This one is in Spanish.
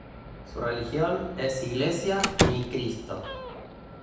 Su religión es Iglesia Ni Cristo.